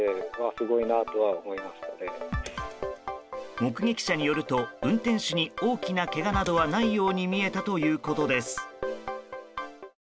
目撃者によると運転手に大きなけがなどはないように見えたということです。